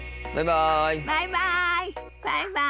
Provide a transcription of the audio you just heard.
バイバイ。